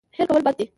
هېر کول بد دی.